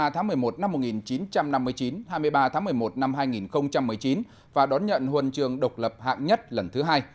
hai mươi tháng một mươi một năm một nghìn chín trăm năm mươi chín hai mươi ba tháng một mươi một năm hai nghìn một mươi chín và đón nhận huân trường độc lập hạng nhất lần thứ hai